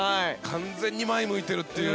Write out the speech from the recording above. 完全に前を向いているっていう。